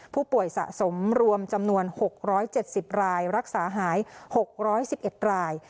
ผู้ป่วยสะสมรวมจำนวน๖๗๐รายรักษาหาย๖๑๑ราย